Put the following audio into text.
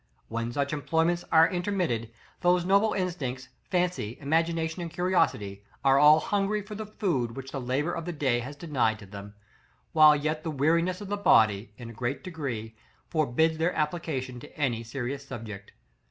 When such employments are intermitted, those noble instincts, fancy, imagination, and curiosity, are all hungry for the food which the labor of the day has denied to them, while yet the weariness of the body, in a great degree, forbids their application to any serious subject.